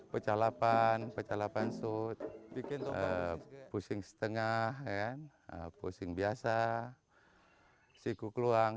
pecalapan pecalapan sud pusing setengah pusing biasa siku keluang